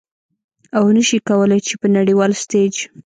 او نشي کولې چې په نړیوال ستیج